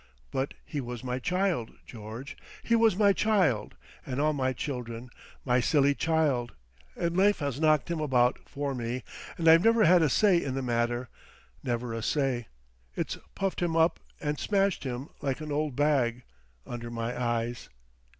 But he was my child, George, he was my child and all my children, my silly child, and life has knocked him about for me, and I've never had a say in the matter; never a say; it's puffed him up and smashed him—like an old bag—under my eyes.